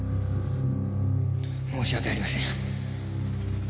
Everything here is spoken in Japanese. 申し訳ありません。